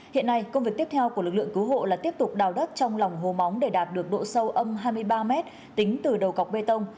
hiện nay công việc tiếp theo của lực lượng cứu hộ là tiếp tục đào đất trong lòng hồ móng để đạt được độ sâu âm hai mươi ba mét tính từ đầu cọc bê tông